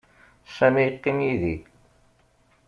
Sami yeqqim yid-i.